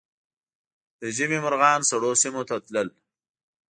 د ژمي مرغان سړو سیمو ته تلل